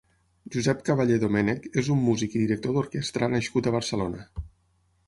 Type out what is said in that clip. Josep Caballé Domenech és un músic i director d´orquestra nascut a Barcelona.